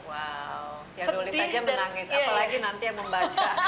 wow ya nulis aja menangis apalagi nanti emang membaca